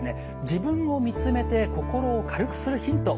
自分を見つめて心を軽くするヒント